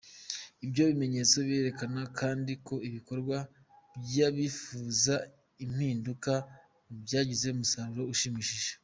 Ibyo bimenyetso birerekana kandi ko ibikorwa by’abifuza impinduka byagize umusaruro ushimishije.